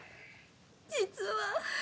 実は。